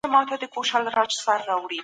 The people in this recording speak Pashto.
خبري اتري د جګړې بدیل دی.